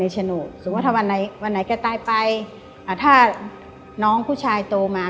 สนุกสมมุติถ้าวันไหนวันไหนแกตายไปถ้าน้องผู้ชายโตมา